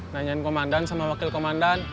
nanyain komandan sama wakil komandan